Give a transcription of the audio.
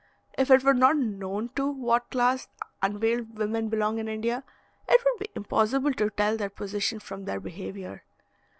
If it were not known to what class unveiled women belong in India, it would be impossible to tell their position from their behaviour.